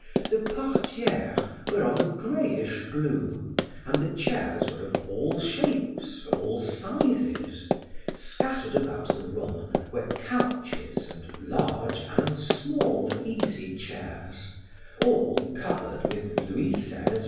The portieres were of a grayish blue and the chairs were of all shapes, of all sizes; scattered about the room were couches and large and small easy chairs, all covered with Louis XVI.